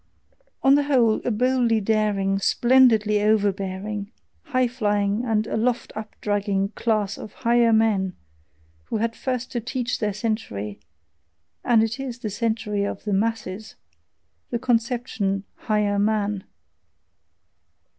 on the whole, a boldly daring, splendidly overbearing, high flying, and aloft up dragging class of higher men, who had first to teach their century and it is the century of the MASSES the conception "higher man."...